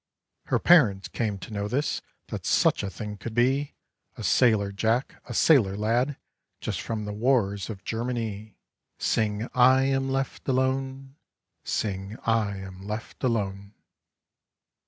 Her parents came to know this, That such a thing could be, A sailor Jack, a sailor lad, Just from the wars of Germany. Sing I am left alone, Sing I am left alone.